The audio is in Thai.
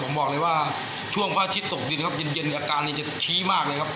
ผมบอกเลยว่าช่วงพระอาทิตย์ตกดินนะครับเย็นอาการจะชี้มากเลยครับ